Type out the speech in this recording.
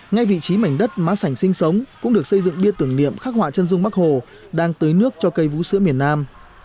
ngay vị trí mảnh đất má sảnh sinh sống cũng được xây dựng bia tưởng niệm khắc họa chân dung bắc hồ đang tưới nước cho cây vũ sữa miền nam